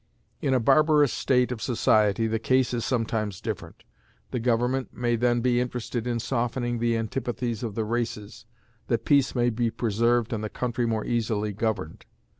In a barbarous state of society the case is sometimes different. The government may then be interested in softening the antipathies of the races, that peace may be preserved and the country more easily governed.